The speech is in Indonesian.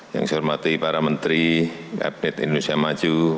yang saya hormati para menteri kabinet indonesia maju